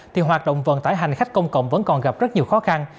thì hoạt động vận tải hành khách công cộng vẫn còn gặp rất nhiều khó khăn